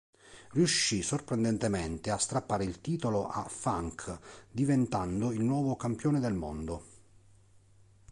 Riuscì sorprendentemente a strappare il titolo a Funk, diventando il nuovo campione del mondo.